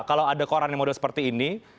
kalau ada koran yang model seperti ini